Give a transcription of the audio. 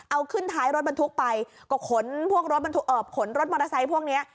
เอาขึ้นท้ายรถบรรทุกไปก็ขนรถมอเตอร์ไซต์พวกเนี้ย